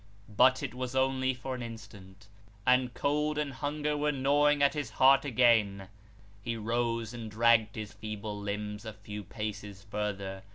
But it was only for an instant. The rain beat heavily upon him ; and cold and hunger were gnawing at his heart again. He rose, and dragged his feeble limbs a few paces further.